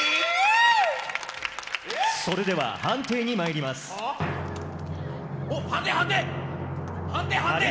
それでは判定にまいりますお判定判定！